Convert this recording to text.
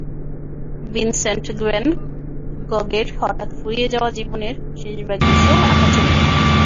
Vincent van গঘের হঠাৎ ফুরিয়ে যাওয়া জীবনের শেষভাগে এসে আঁকা ছবি।